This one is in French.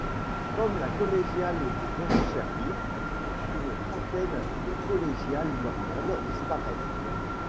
Comme la collégiale de Boscherville, une trentaine de collégiales normandes disparaissent.